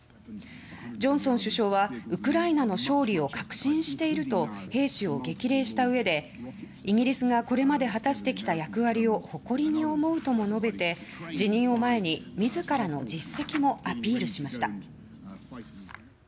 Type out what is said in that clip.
ジョンソン首相はウクライナの勝利を確信していると兵士を激励した上でイギリスがこれまで果たしてきた役割を誇りに思うとも述べて辞任を前に自らの実績もアピールしました。